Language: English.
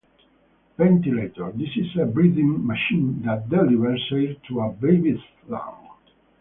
Ventilator: This is a breathing machine that delivers air to a baby's lung.